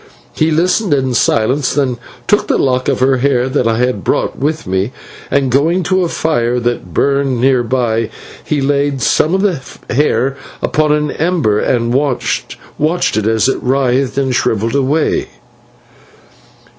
"He listened in silence, then took the lock of hair that I had brought with me, and, going to a fire that burned near by, he laid some of the hair upon an ember and watched it as it writhed and shrivelled away.